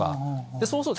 そうすると。